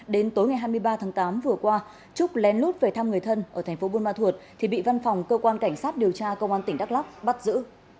đến tối ngày hai mươi ba tháng tám vừa qua trúc lén lút về thăm người thân ở thành phố buôn ma thuột thì bị văn phòng cơ quan cảnh sát điều tra công an tỉnh đắk lắk bắt giữ